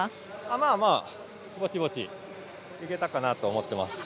まあまあ、ぼちぼちいけたかなと思ってます。